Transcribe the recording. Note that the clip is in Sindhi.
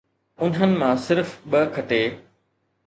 انهن مان صرف ٻه کٽي